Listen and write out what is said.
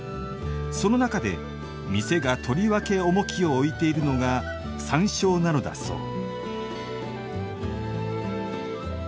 その中で、店がとりわけ重きを置いているのが山椒なのだそう。